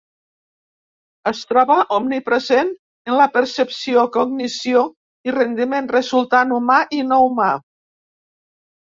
Es troba omnipresent en la percepció, cognició i rendiment resultant humà i no humà.